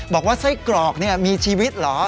บอกว่าไส้กรอกมีชีวิตเหรอ